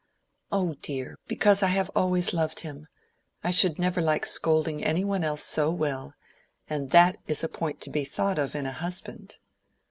"Oh, dear, because I have always loved him. I should never like scolding any one else so well; and that is a point to be thought of in a husband."